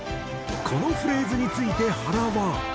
このフレーズについて原は。